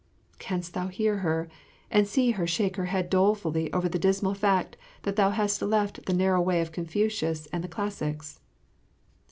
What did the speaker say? Canst thou hear her, and see her shake her head dolefully over the dismal fact that thou hast left the narrow way of Confucius and the classics?